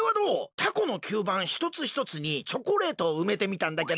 タコのきゅうばんひとつひとつにチョコレートをうめてみたんだけど。